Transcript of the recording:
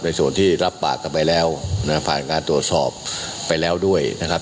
ส่วนที่รับปากกันไปแล้วนะผ่านการตรวจสอบไปแล้วด้วยนะครับ